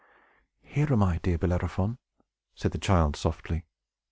"Here am I, dear Bellerophon!" said the child, softly.